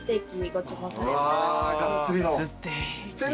がっつりの。